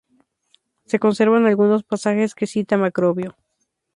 Se conservan algunos pasajes que cita Macrobio.